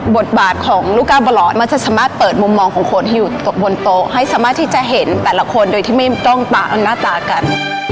บทบาทของลูกก้าวบลอสมักจะสามารถเปิดมุมมองของคนที่อยู่บนโต๊ะให้สามารถที่จะเห็นแต่ละคนโดยที่ไม่ต้องหน้าตากัน